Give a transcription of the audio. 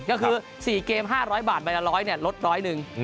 ก็คือ๔เกม๕๐๐บาทใบละ๑๐๐ลดร้อยหนึ่ง